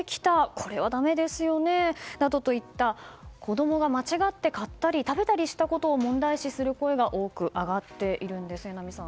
これは、だめですよねなどといった子供が間違って買ったり食べたりしたことを問題視する声が多く上がっているんです榎並さん。